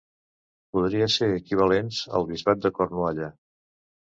Podria ser equivalents al bisbat de Cornualla.